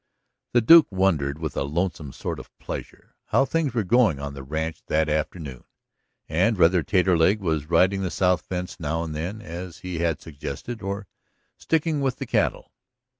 The Duke wondered, with a lonesome sort of pleasure, how things were going on the ranch that afternoon, and whether Taterleg was riding the south fence now and then, as he had suggested, or sticking with the cattle.